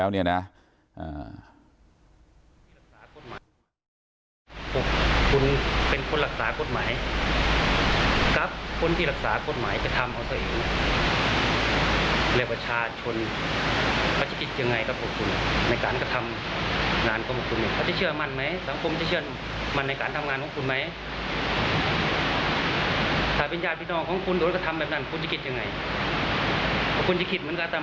คุณจะกิจเหมือนกับอาตามากิจไหมตอนนี้